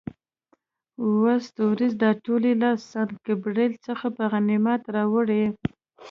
اووه ستوریز، دا ټول یې له سان ګبرېل څخه په غنیمت راوړي.